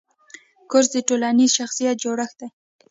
کورس د ټولنیز شخصیت جوړښت دی.